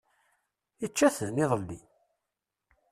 Ičča-ten, iḍelli!